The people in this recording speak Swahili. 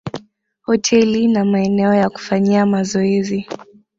hoteli na maeneo ya kufanyia mazoezi